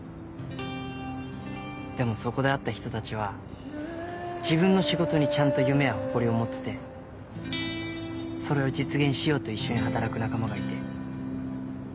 でもそこで会った人たちは自分の仕事にちゃんと夢や誇りを持っててそれを実現しようと一緒に働く仲間がいて。